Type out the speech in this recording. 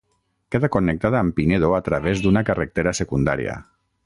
Queda connectada amb Pinedo a través d'una carretera secundària.